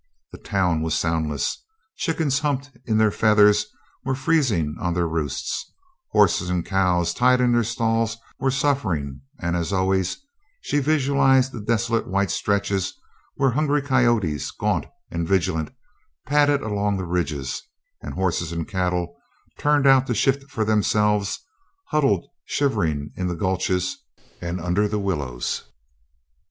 The town was soundless. Chickens humped in their feathers were freezing on their roosts, horses and cows tied in their stalls were suffering, and, as always, she visualized the desolate white stretches where hungry coyotes, gaunt and vigilant, padded along the ridges, and horses and cattle, turned out to shift for themselves, huddled shivering in the gulches and under the willows.